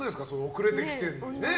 遅れてきてるのにね。